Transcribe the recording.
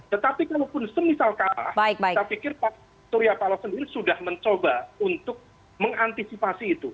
tetapi kalaupun semisal kalah saya pikir pak surya paloh sendiri sudah mencoba untuk mengantisipasi itu